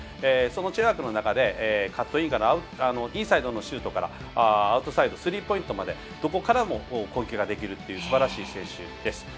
チェアワークの中でインサイドのシュートからアウトサイドスリーポイントまでどこからも投球ができるというすばらしい選手です。